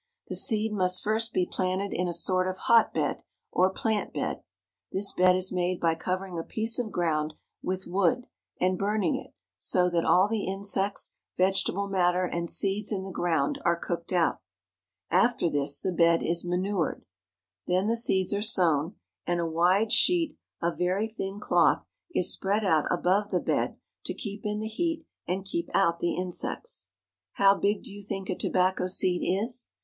The seed must first be planted in a sort of hotbed or plant bed. This bed is made by covering a piece of ground with wood, and burning it, so that all the insects, vegetable matter, and seeds in the ground are cooked out. After this the bed is manured. Then the seeds are sown, and a Tobacco Auction. wide sheet of very thin cloth is spread out above the bed to keep in the heat and keep out the insects. How big do you think a tobacco seed is?